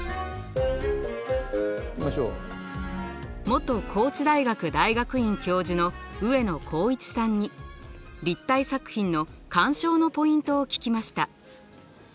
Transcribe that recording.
元高知大学大学院教授の上野行一さんに立体作品の鑑賞のポイントを聞きました。